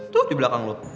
tuh di belakang lo